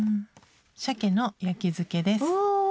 「鮭の焼き漬け」です。